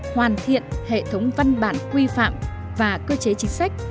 hoàn thiện hệ thống văn bản quy phạm và cơ chế chính sách